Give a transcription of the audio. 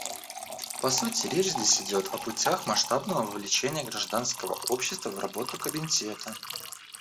По сути, речь здесь идет о путях масштабного вовлечения гражданского общества в работу Комитета.